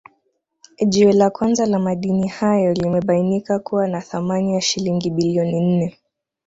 Jiwe la kwanza la madini hayo limebainika kuwa na thamani ya shilingi bilioni nne